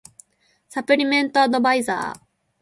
サプリメントアドバイザー